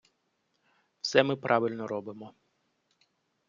Все ми правильно робимо.